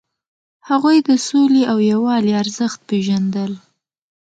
هغوی د سولې او یووالي ارزښت پیژندل.